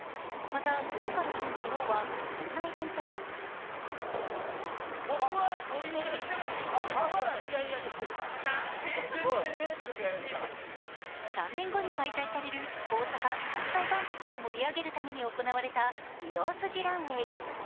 また、文化の日の昨日はこんなイベントも３年後に開催される大阪・関西万博を盛り上げるために行われた御堂筋ランウェイ。